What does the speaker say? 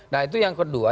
nah itu yang kedua